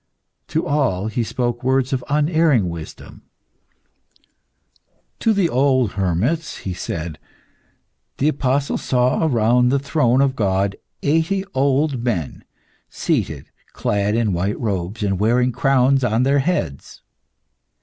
To all he spoke words of unerring wisdom. To the old hermits he said "The apostle saw, round the throne of God, eighty old men seated, clad in white robes, and wearing crowns on their heads."